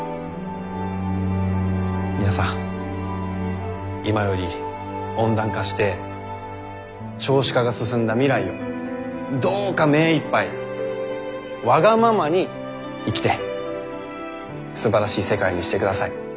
皆さん今より温暖化して少子化が進んだ未来をどうか目いっぱいわがままに生きてすばらしい世界にしてください。